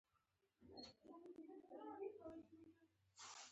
هغه یې چپه را باندې واغوست.